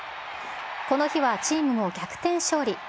この日はチームも逆転勝利。